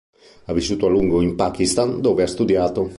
Ha vissuto, a lungo, in Pakistan, dove ha studiato.